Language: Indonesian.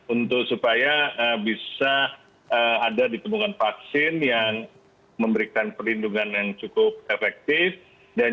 untuk supaya bisa ada ditemukan vaksin yang memberikan perlindungan yang cukup efektif dan